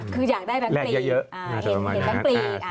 คืออยากได้ตั้งปีเห็นตั้งปี